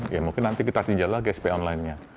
ya mungkin nanti kita tinjau lagi sp online